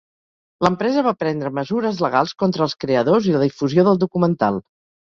L'empresa va prendre mesures legals contra els creadors i la difusió del documental.